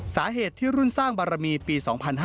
สาเหตุที่รุ่นสร้างบารมีปี๒๕๕๙